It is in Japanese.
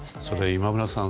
今村さん